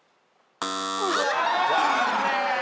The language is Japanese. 残念。